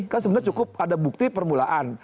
kan sebenarnya cukup ada bukti permulaan